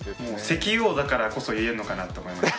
石油王だからこそ言えるのかなと思います。